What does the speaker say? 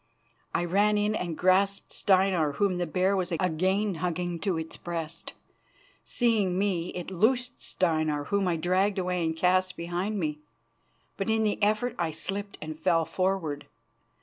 I ran in and grasped Steinar, whom the bear was again hugging to its breast. Seeing me, it loosed Steinar, whom I dragged away and cast behind me, but in the effort I slipped and fell forward.